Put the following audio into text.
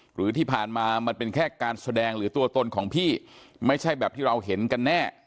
หรือที่ผ่านมามันเป็นแค่การแสดงหรือตัวตนของพี่ไม่ใช่แบบที่เราเห็นกันแน่